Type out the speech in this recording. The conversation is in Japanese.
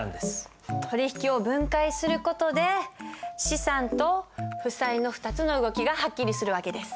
取引を分解する事で資産と負債の２つの動きがはっきりする訳です。